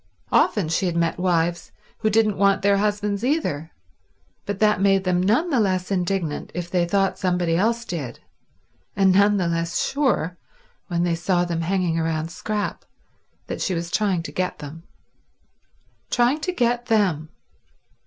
Often she had met wives who didn't want their husbands either, but that made them none the less indignant if they thought somebody else did, and none the less sure, when they saw them hanging round Scrap, that she was trying to get them. Trying to get them!